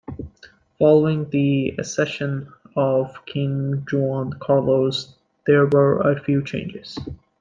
Following the accession of King Juan Carlos, there were a few changes.